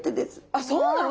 あっそうなの？